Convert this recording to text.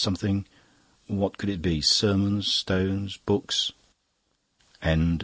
Something what could it be? Sermons? Stones? Books? CHAPTER IX.